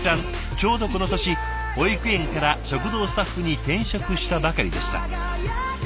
ちょうどこの年保育園から食堂スタッフに転職したばかりでした。